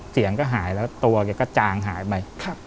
เสียงก็หายแล้วตัวแกก็จางหายไป